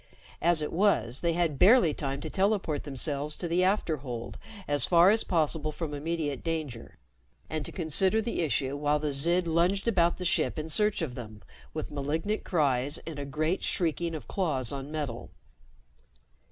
As it was, they had barely time to teleport themselves to the after hold, as far as possible from immediate danger, and to consider the issue while the Zid lunged about the ship in search of them with malignant cries and a great shrieking of claws on metal.